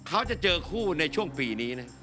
เขาจะเจอคู่ในช่วงปีนี้นะ